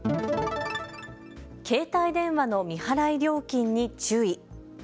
携帯電話の未払い料金に注意。